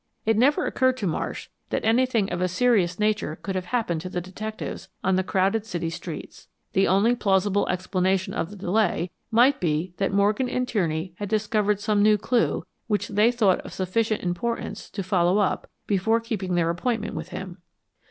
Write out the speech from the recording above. It never occurred to Marsh that anything of a serious nature could have happened to the detectives on the crowded city streets. The only plausible explanation of the delay might be that Morgan and Tierney had discovered some new clue which they thought of sufficient importance to follow up before keeping their appointment with him.